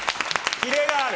キレがある。